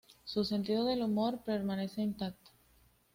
Su sentido del humor permanece intacto.